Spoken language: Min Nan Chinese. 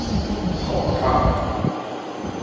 悾歁